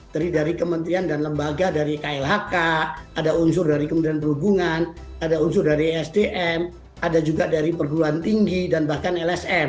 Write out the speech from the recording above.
dari kementerian dan lembaga dari klhk ada unsur dari kementerian perhubungan ada unsur dari sdm ada juga dari perguruan tinggi dan bahkan lsm